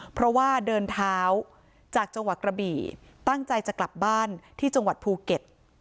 เพราะว่าเดินเท้าจากจังหวัดกระบี่ตั้งใจจะกลับบ้านที่จังหวัดภูเก็ต